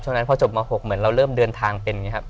นั้นพอจบม๖เหมือนเราเริ่มเดินทางเป็นอย่างนี้ครับ